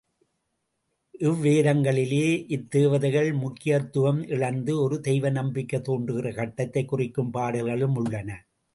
இவ்வேதங்களிலேயே, இத்தேவதைகள் முக்கியத்துவம் இழந்து ஒரு தெய்வ நம்பிக்கை தோன்றுகிற கட்டத்தைக் குறிக்கும் பாடல்களும் உள்ளன.